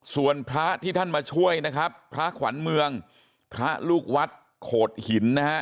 ส่วนพระที่ท่านมาช่วยนะครับพระขวัญเมืองพระลูกวัดโขดหินนะฮะ